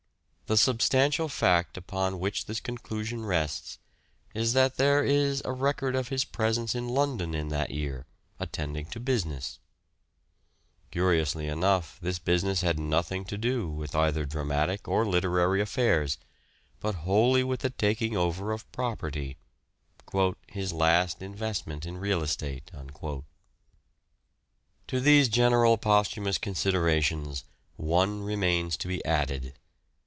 The substantial fact upon which this conclusion rests is that there is a record of his presence in London in that year, attending to business, 430 "SHAKESPEARE" IDENTIFIED The scries of sonnets closes. Resume of chapter. Curiously enough this business had nothing to do with either dramatic or literary affairs, but wholly with the taking over of property :" his last invest ment in real estate." To these general posthumous considerations one remains to be added.